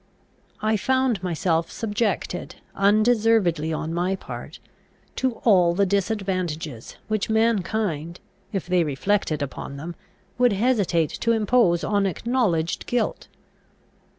I found myself subjected, undeservedly on my part, to all the disadvantages which mankind, if they reflected upon them, would hesitate to impose on acknowledged guilt.